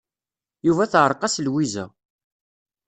Yuba teɛreq-as Lwiza.